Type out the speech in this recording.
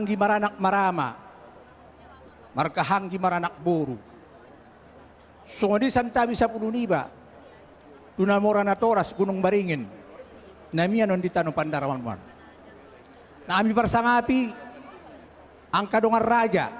itu posisi harus digeser